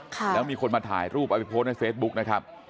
แล้วมีคนมาถ่ายรูปเอาไปโพสต์ในเฟซบุ๊กนะครับ